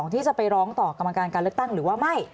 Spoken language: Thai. ที่จะไปร้องต่อกรรมการการเลือกตั้งหรือว่าไม่